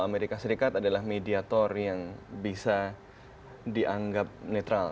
amerika serikat adalah mediator yang bisa dianggap netral